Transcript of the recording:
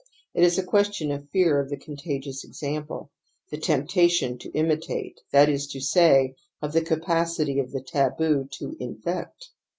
It is a question of fear of the contagious example, the temptation to imi tate, that is to say, of the capacity of the taboo to infect.